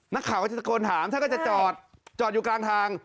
นักข่าวก็จะตะโกนถามท่านก็จะจอดจอดอยู่กลางทาง